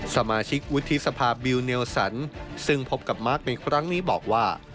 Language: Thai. สมาชิกวุฒิสภาบิลเนลสันซึ่งพบกับมาร์คในครั้งนี้บอกว่า